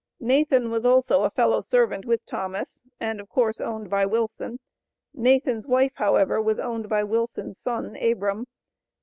NATHAN was also a fellow servant with Thomas, and of course owned by Wilson. Nathan's wife, however, was owned by Wilson's son, Abram.